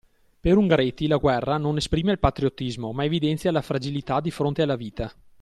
Per Ungaretti la guerra non esprime il patriottismo ma evidenzia la fragilità di fronte alla vita.